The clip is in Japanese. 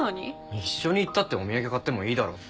一緒に行ったってお土産買ってもいいだろ。